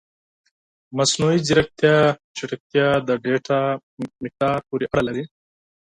د مصنوعي ځیرکتیا چټکتیا د ډیټا مقدار پورې اړه لري.